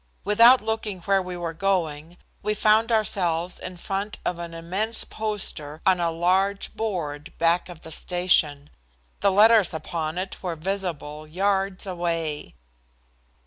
Without looking where we were going we found ourselves in front of an immense poster on a large board back of the station. The letters upon it were visible yards away.